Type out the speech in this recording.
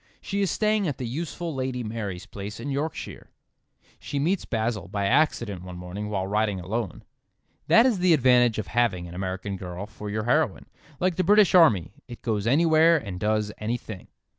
She is staying at the useful Lady Mary's place in Yorkshire. She meets Basil by accident one morning while riding alone. That is the advantage of having an American girl for your heroine. Like the British army: it goes anywhere and does anything.